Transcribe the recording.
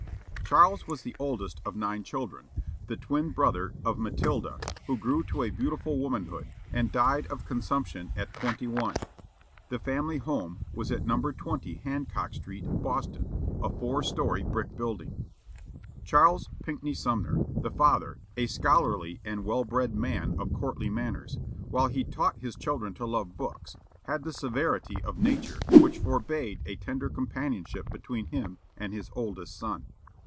Charles was the oldest of nine children, the twin brother of Matilda, who grew to a beautiful womanhood, and died of consumption at twenty one. The family home was at No. 20 Hancock Street, Boston, a four story brick building. Charles Pinckney Sumner, the father, a scholarly and well bred man of courtly manners, while he taught his children to love books, had the severity of nature which forbade a tender companionship between him and his oldest son.